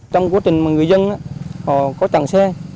trong quá trình mà người dân có chẳng xe